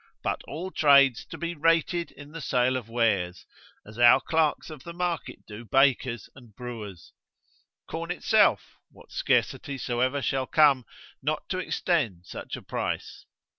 but all trades to be rated in the sale of wares, as our clerks of the market do bakers and brewers; corn itself, what scarcity soever shall come, not to extend such a price.